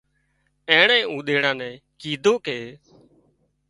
اينڻي اونۮاڙا نين ڪيڌون ڪي